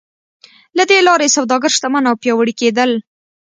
له دې لارې سوداګر شتمن او پیاوړي کېدل.